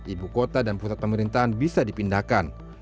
ibu kota dan pusat pemerintahan bisa dipindahkan